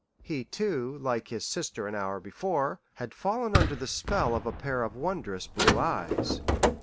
He, too, like his sister an hour before, had fallen under the spell of a pair of wondrous blue eyes.